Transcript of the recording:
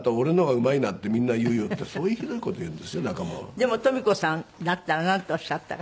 でもとみ子さんだったらなんておっしゃったかしら？